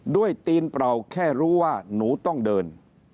ตีนเปล่าแค่รู้ว่าหนูต้องเดิน